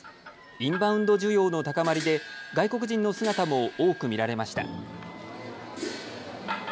インバウンド需要の高まりで外国人の姿も多く見られました。